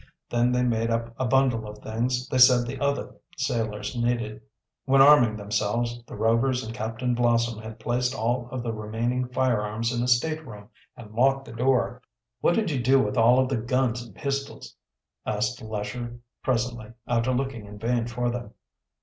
Then they made up a bundle of things they said the other sailors needed. When arming themselves, the Rovers and Captain Blossom had placed all of the remaining firearms in a stateroom and locked the door. "What did you do with all of the guns and pistols?" asked Lesher presently, after looking in vain for them.